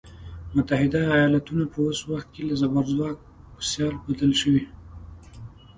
متحده ایالتونه په اوس وخت کې له زبرځواک په سیال بدل شوی.